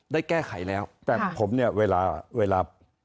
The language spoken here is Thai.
ได้แก้ไขแล้วแต่ผมเนี่ยเวลาเวลา